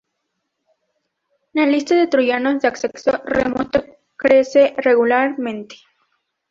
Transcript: La lista de troyanos de acceso remoto crece regularmente.